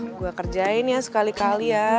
gue kerjain ya sekali kali ya